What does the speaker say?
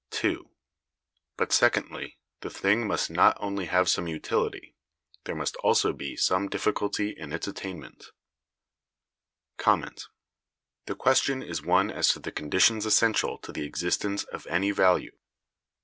2. But, secondly, the thing must not only have some utility, there must also be some difficulty in its attainment. The question is one as to the conditions essential to the existence of any value.